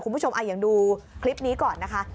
คุณผู้ชมอย่างดูคลิปนี้ก่อนนะคะ